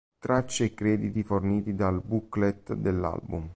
Tracce e crediti forniti dal booklet dell'album.